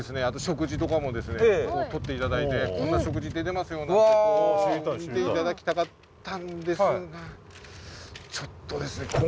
あと食事とかもですねとって頂いてこんな食事出てますよなんて見て頂きたかったんですがちょっとですね